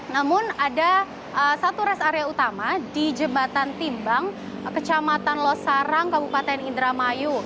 namun ada satu rest area utama di jembatan timbang kecamatan losarang kabupaten indramayu